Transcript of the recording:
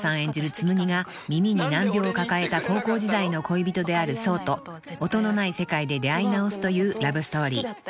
紬が耳に難病を抱えた高校時代の恋人である想と音のない世界で出会い直すというラブストーリー］